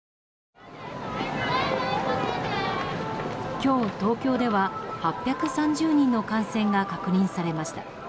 今日、東京では８３０人の感染が確認されました。